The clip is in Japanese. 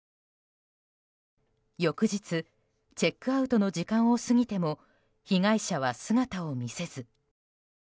翌日、チェックアウトの時間を過ぎても被害者は姿を見せず。